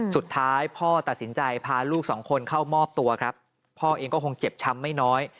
สุดท้ายพ่อตัดสินใจพาลูกสองคนเข้ามอบตัวครับพ่อเองก็คงเจ็บช้ำไม่น้อย